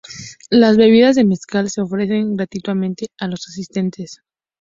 Las bebidas de mezcal se ofrecen gratuitamente a los asistentes.